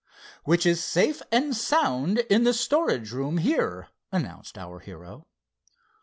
"Which is safe and sound in the storage room here," announced our hero.